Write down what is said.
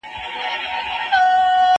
زه به اوږده موده کتابونه ليکلي وم